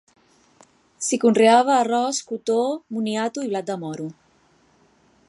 S'hi conreava arròs, cotó, moniato i blat de moro.